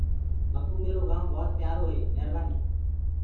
مڪوُ ميرو گآئونٚ ڀوت پيآرو هي۔ ميربآني۔